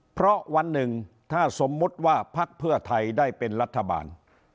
เพราะวันหนึ่งถ้าสมมุติว่าพักเพื่อไทยได้เป็นรัฐบาล